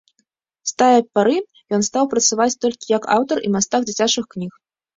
З тае пары ён стаў працаваць толькі як аўтар і мастак дзіцячых кніг.